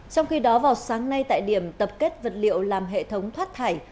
trong khi đó vào sáng nay tại điểm tập kết vật liệu làm hệ thống thoát thải